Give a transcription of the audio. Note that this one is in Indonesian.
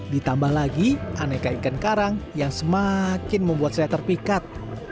ditambah lagi aneka ikan karang yang semakin membuat saya terpikat